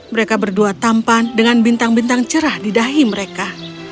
mereka berdua tampan dengan bintang bintang cerah di dahi mereka